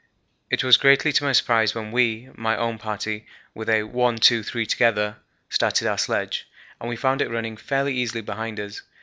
It was greatly to my surprise when we my own party with a 'one, two, three together' started our sledge, and we found it running fairly easily behind us.